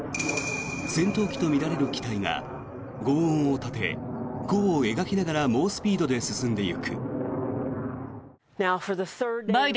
戦闘機とみられる機体がごう音を立て、弧を描きながら猛スピードで進んでいく。